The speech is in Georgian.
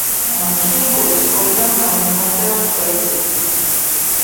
კინიკური სკოლიდან განვითარდა სტოიციზმი.